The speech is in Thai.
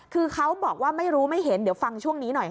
คือเขาบอกว่าไม่รู้ไม่เห็นเดี๋ยวฟังช่วงนี้หน่อยค่ะ